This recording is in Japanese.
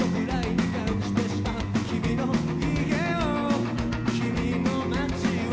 「君の家を君の街を」